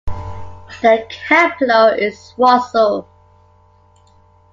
The capital is Roseau.